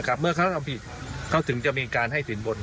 เขาถึงจะมีการให้สินบน